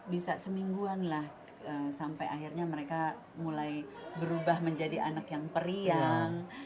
bisa semingguan lah sampai akhirnya mereka mulai berubah menjadi anak yang periang